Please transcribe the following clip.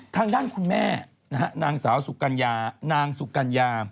ทางด้านคุณแม่นางสาวสุกัญญา